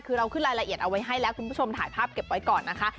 คือเราขึ้นรายละเอียดเอาไว้ให้แล้วคุณผู้ชมถ่ายภาพเก็บไว้ก่อนนะคะ